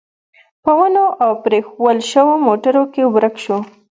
په ونو او پرېښوول شوو موټرو کې ورک شو.